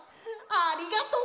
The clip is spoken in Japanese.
ありがとう！